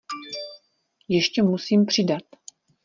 Ještě musím přidat.